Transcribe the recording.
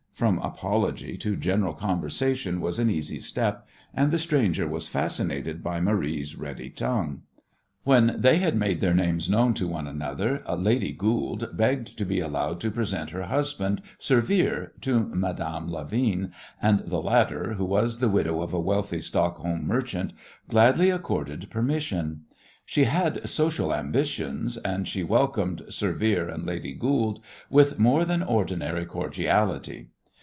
From apology to general conversation was an easy step, and the stranger was fascinated by Marie's ready tongue. When they had made their names known to one another, "Lady Goold" begged to be allowed to present her husband "Sir Vere," to Madame Levin, and the latter, who was the widow of a wealthy Stockholm merchant, gladly accorded permission. She had social ambitions, and she welcomed "Sir Vere and Lady Goold" with more than ordinary cordiality.